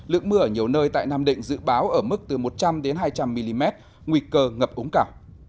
lượng mưa ở nhiều nơi tại nam định dự báo ở mức từ một trăm linh hai trăm linh mm nguy cơ ngập úng cảo